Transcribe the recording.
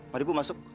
mari ibu masuk